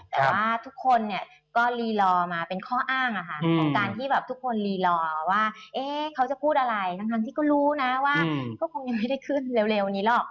แต่ว่าทุกคนเนี่ยก็รีลอมาเป็นข้ออ้างของการที่แบบทุกคนรีรอว่าเขาจะพูดอะไรทั้งที่ก็รู้นะว่าก็คงยังไม่ได้ขึ้นเร็วนี้หรอก